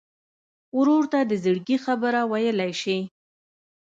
ورور ته د زړګي خبره ویلی شې.